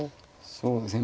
そうですね。